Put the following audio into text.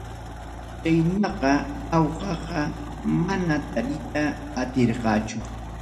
Chaynaqa awqaqa mana tariyta atirqachu.